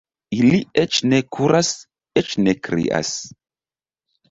Ili eĉ ne kuras, eĉ ne krias.